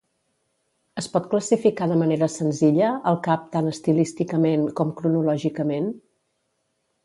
Es pot classificar de manera senzilla el cap tant estilísticament com cronològicament?